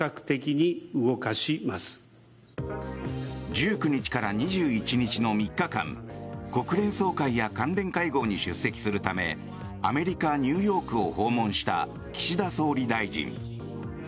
１９日から２１日の３日間国連総会や関連会合に出席するためアメリカ・ニューヨークを訪問した岸田総理大臣。